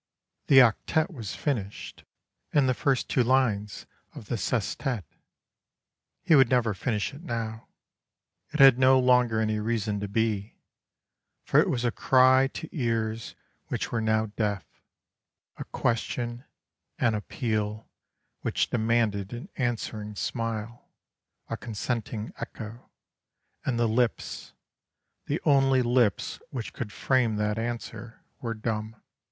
The octet was finished and the first two lines of the sestet. He would never finish it now. It had no longer any reason to be; for it was a cry to ears which were now deaf, a question, an appeal, which demanded an answering smile, a consenting echo; and the lips, the only lips which could frame that answer, were dumb.